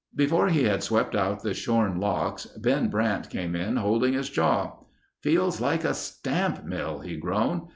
Before he had swept out the shorn locks Ben Brandt came in, holding his jaw. "Feels like a stamp mill," he groaned.